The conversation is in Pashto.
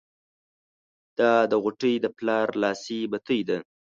دا د غوټۍ د پلار لاسي بتۍ ده.